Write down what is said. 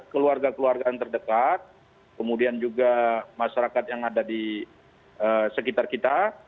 keluarga keluarga yang terdekat kemudian juga masyarakat yang ada di sekitar kita